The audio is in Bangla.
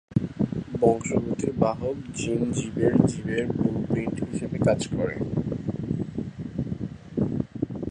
বংশগতির বাহক জীন জীবের জীবনের ব্লু প্রিন্ট হিসেবে কাজ করে।